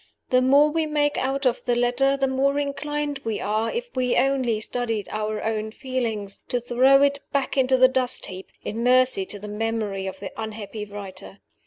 The more we make out of the letter, the more inclined we are (if we only studied our own feelings) to throw it back into the dust heap, in mercy to the memory of the unhappy writer.